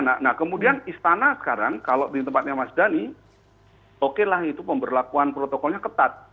nah kemudian istana sekarang kalau di tempatnya mas dhani okelah itu pemberlakuan protokolnya ketat